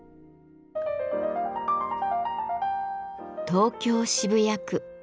東京・渋谷区。